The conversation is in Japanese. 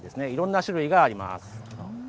いろんな種類があります。